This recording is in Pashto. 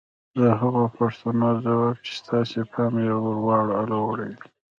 د هغو پوښتنو ځواب چې ستاسې پام يې ور اړولی دی.